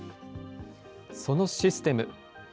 そのシステム。